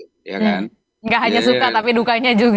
tidak hanya suka tapi dukanya juga